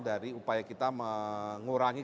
dari upaya kita mengurangi